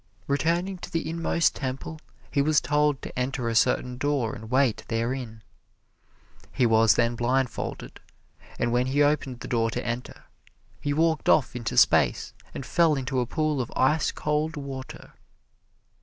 Returning to the inmost temple he was told to enter a certain door and wait therein. He was then blindfolded and when he opened the door to enter, he walked off into space and fell into a pool of ice cold water.